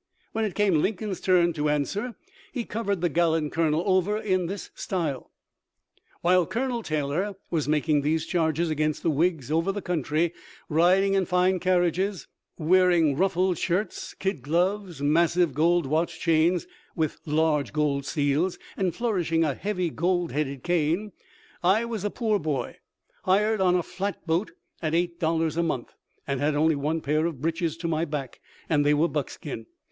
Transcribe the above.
When it came Lincoln's turn to answer he covered the gallant colonel over in this style :" While Colonel Taylor was making these charges against the Whigs over the country, riding in fine carriages, wearing ruffled shirts, kid gloves, massive gold watch chains with large gold seals, and flourishing a heavy gold headed cane, I was a poor boy, hired on a flat boat at eight dollars a month, and had only one pair of breeches to my back, and they were buckskin.